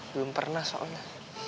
belum pernah soalnya